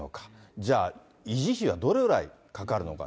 じゃあ、維持費はどれぐらいかかるのか。